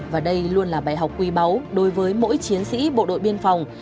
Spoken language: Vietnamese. và đây luôn là bài học quý báu đối với mỗi chiến sĩ bộ đội biên phòng